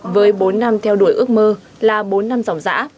với bốn năm theo đuổi ước mơ là bốn năm giỏng giã